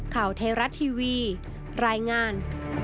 ข่าวไทยรัฐทีวีรายงาน